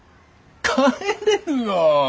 帰れるよ。